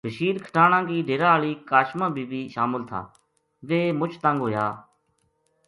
بشیر کھٹانہ کی ڈیرا ہالی کاشماں بی بی شامل تھا ویہ مُچ تنگ ہوگیا